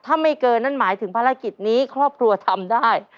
ถ้าไม่เกินนั่นหมายถึงภารกิจนี้ครอบครัวทำได้